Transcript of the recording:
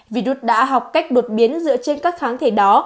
virus đã học cách đột biến dựa trên các kháng thể đó